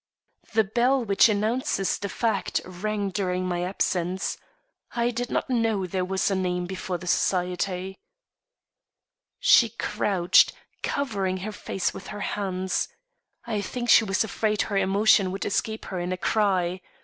"The bell which announces the fact rang during my absence. I did not know there was a name before the society." She crouched, covering her face with her hands. I think she was afraid her emotion would escape her in a cry.